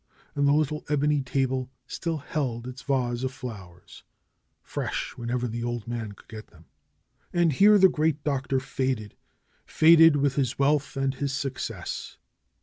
And the little ebony table still held its vase of flowers, fresh whenever the old man could get them. And here the great Doctor faded; faded with his wealth and his success.